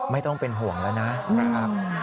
ไม่ต้องเป็นห่วงแล้วนะครับ